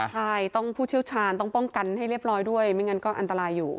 ใช่ต้องผู้เชี่ยวชาญต้องป้องกันให้เรียบร้อยด้วยไม่งั้นก็อันตรายอยู่